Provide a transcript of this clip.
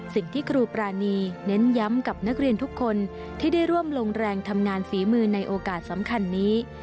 สิ่งที่ครูปรานีเน้นย้ำกับนักเรียนทุกคนที่ได้ร่วมลงแรงทำงานฝีมือในโอกาสสำคัญนี้